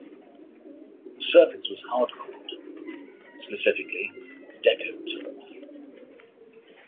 The surface was hardcourt, specifically DecoTurf.